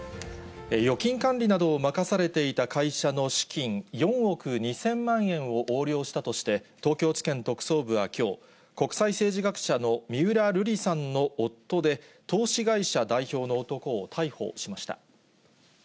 預金管理などを任されていた会社の資金４億２０００万円を横領したとして、東京地検特捜部はきょう、国際政治学者の三浦瑠麗さんの夫で、投資会社代表の男を逮捕しました。